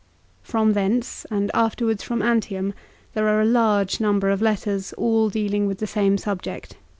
From thence, and afterwards from Antium, there are a large number of letters all dealing with the same subject.